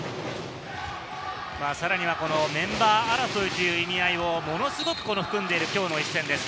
さらにはメンバー争いという意味合いをものすごく含んでいる今日の一戦です。